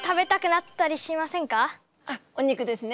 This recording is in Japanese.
あっお肉ですね！